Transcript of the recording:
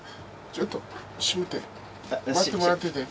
ちょっと閉めて。